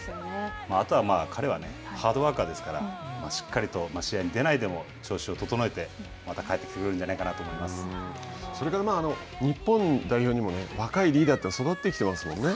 あとは彼は、ハードワーカーですから、しっかりと試合に出ないでも、調子を整えて、また帰ってきてくれそれから、日本代表にも若いリーダーというのは育ってきていますもんね。